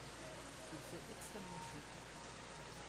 Il fait extrêmement chaud.